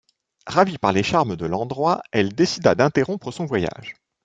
Ravie par les charmes de l'endroit, elle décida d'interrompre son voyage.